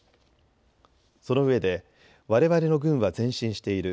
そのうえでわれわれの軍は前進している。